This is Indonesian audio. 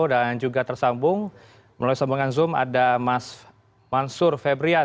dan juga tersambung melalui sambungan zoom ada mas mansur febrian